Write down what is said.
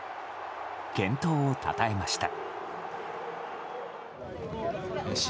健闘をたたえました。